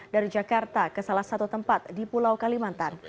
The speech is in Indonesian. dari jakarta ke salah satu tempat di pulau kalimantan